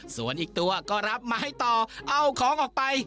ส่วนอีกตัวก็รับมาให้ต่อเอาของออกไป